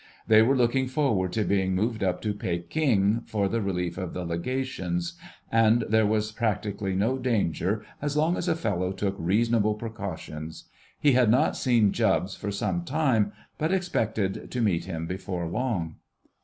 They were looking forward to being moved up to Peking for the relief of the Legations, and there was practically no danger as long as a fellow took reasonable precautions. He had not seen Jubbs for some time, but expected to meet him before long.